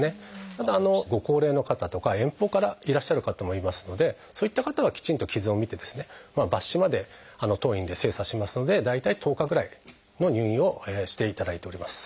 ただご高齢の方とか遠方からいらっしゃる方もいますのでそういった方はきちんと傷を診て抜糸まで当院で精査しますので大体１０日ぐらいの入院をしていただいております。